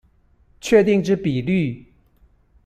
確定之比率